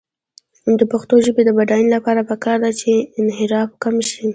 د پښتو ژبې د بډاینې لپاره پکار ده چې انحراف کم شي.